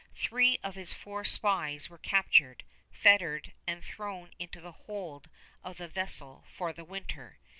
Three of his four spies were captured, fettered, and thrown into the hold of the vessel for the winter.